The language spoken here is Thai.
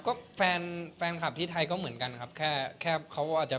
เมื่อกี้โอ้ดูมีความสุขมากกับแฟนคลับที่มาหาเรา